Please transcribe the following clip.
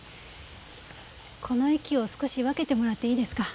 この液を少し分けてもらっていいですか？